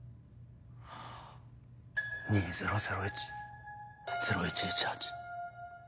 ２００１０１１８。